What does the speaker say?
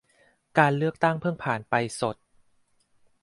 การเลือกตั้งเพิ่งผ่านไปสด